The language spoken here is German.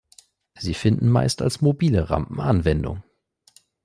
Sie finden meist als mobile Rampen Anwendung.